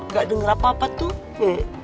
gak denger apa apa tuh